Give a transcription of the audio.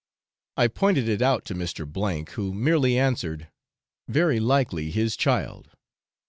I pointed it out to Mr. , who merely answered, 'Very likely his child.'